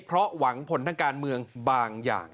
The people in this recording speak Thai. เพราะหวังผลทางการเมืองบางอย่าง